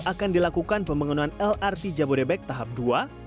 akan dilakukan pembangunan lrt jabodebek tahap dua